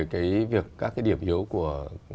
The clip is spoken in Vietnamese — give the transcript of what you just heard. các cái điểm hiếu của